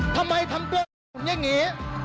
ทำไมทำตัวบิ้นอย่างนี้